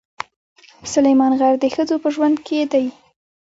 سلیمان غر د ښځو په ژوند کې دي.